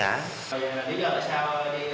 bây giờ là sao đi cướp giật tài sản